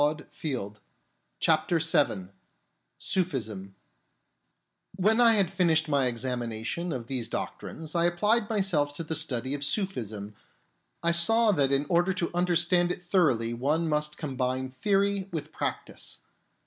DEFINITION OF SUFISM 41 SUFISM When I had finished my examination of ^these doctrines I applied myself to the study of Sufism I saw that in order to understand it thoroughly one must combine theory with practice.